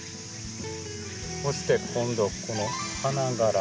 そして今度この花がら。